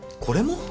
これも？